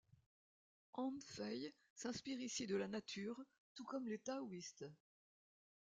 Han Fei s'inspire ici de la nature, tout comme les taoïstes.